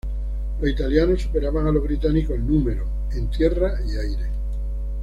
Los italianos superaban a los británicos en número, en tierra y aire.